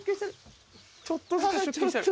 ちょっとずつ出勤してる。